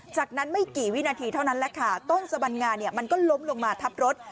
จากนั้นไม่กี่วินาทีเท่านั้นต้นสะบัญญามันก็ล้มลงมาทับรถ